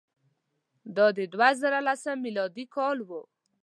دا د دوه زره لسم میلادي کال وو.